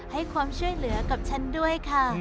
ให้ความช่วยเหลือกับฉันด้วยค่ะ